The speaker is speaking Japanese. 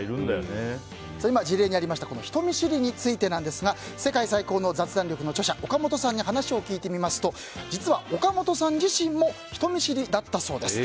今、事例にありました人見知りについてですが「世界最高の雑談力」の著者岡本さんに話を聞いてみますと実は岡本さん自身も人見知りだったそうです。